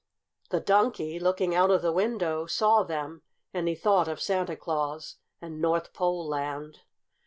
The Donkey, looking out of the window, saw them, and he thought of Santa Claus and North Pole Land.